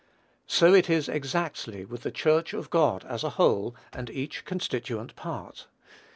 So it is exactly with the Church of God as a whole and each constituent part.